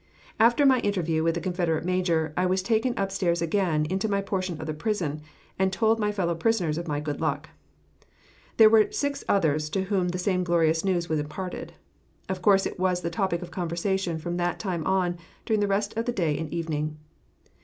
After my interview with the Confederate major, I was taken up stairs again into my portion of the prison, and told my fellow prisoners of my good luck. There were six others to whom the same glorious news was imparted. Of course it was the topic of conversation from that time on during the rest of the day and evening.